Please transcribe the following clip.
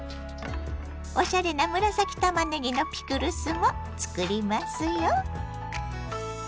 おしゃれな紫たまねぎのピクルスもつくりますよ。